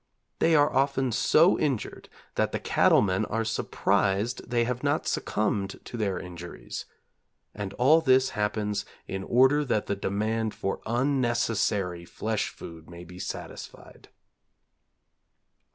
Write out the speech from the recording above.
They are often so injured that the cattle men are surprised they have not succumbed to their injuries. And all this happens in order that the demand for unnecessary flesh food may be satisfied.